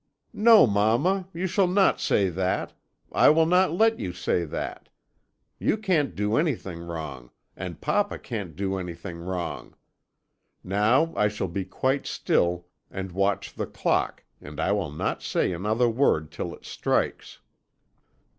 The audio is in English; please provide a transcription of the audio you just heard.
"'No, mamma, you shall not say that; I will not let you say that. You can't do anything wrong, and papa can't do anything wrong. Now I shall be quite still, and watch the clock, and I will not say another word till it strikes.'